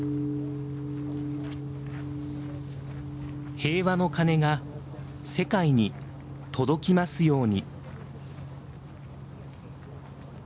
平和の鐘が世界に届きますように。